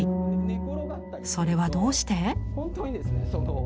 それはどうして？